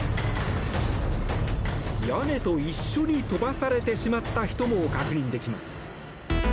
屋根と一緒に飛ばされてしまった人も確認できます。